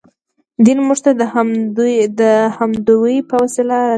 دین موږ ته د همدوی په وسیله رارسېدلی.